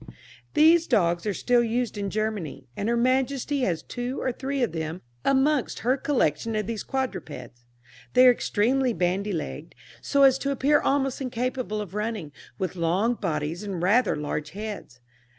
These dogs are still used in Germany, and her Majesty has two or three of them amongst her collection of these quadrupeds. They are extremely bandy legged, so as to appear almost incapable of running, with long bodies and rather large heads.